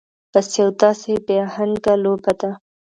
بس يو داسې بې اهنګه لوبه ده.